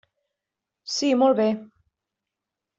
Sí, molt bé.